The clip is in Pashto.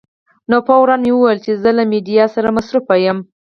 نو فوراً مې وویل چې زه له میډیا سره مصروف یم.